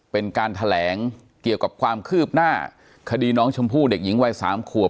เป็นการแถลงเกี่ยวกับความคืบหน้าคดีน้องชมพู่เด็กหญิงวัย๓ขวบ